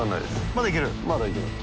まだいけます。